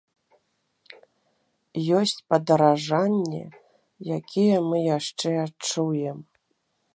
Ёсць падаражанні, якія мы яшчэ адчуем.